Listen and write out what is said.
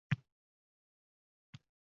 Kvartirada hamma qulayliklar bor.